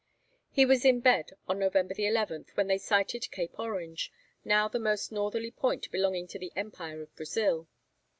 He was in bed, on November 11, when they sighted Cape Orange, now the most northerly point belonging to the Empire of Brazil.